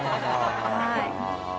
はい。